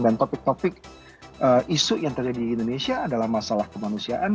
dan topik topik isu yang terjadi di indonesia adalah masalah kemanusiaan